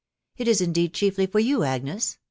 it is indeed chiefly for you, Agnes !